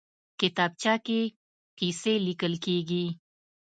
کتابچه کې قصې لیکل کېږي